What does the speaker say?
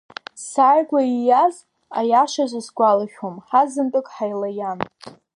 Сааигәа ииаз аиашаз исгәалашәом, ҳазынтәык ҳаилаиан.